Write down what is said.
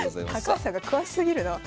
高橋さんが詳しすぎるなあ。